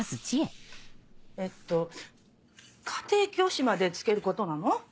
えっと家庭教師までつけることなの？